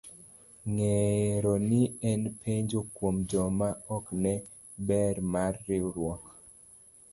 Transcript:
Ng'ero ni en puonj kuom joma ok ne ber mar riwruok.